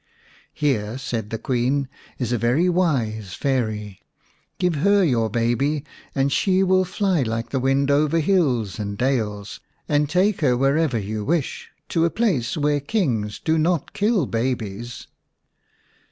"Here," said the Queen, "is a very wise Fairy. Give her your baby and she will fly like the wind over hills and dales, and take her wherever you wish, to a place where kings do not kill babies."